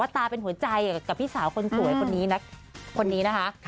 ตาเป็นหัวใจกับพี่สาวคนสวยคนนี้นะคะ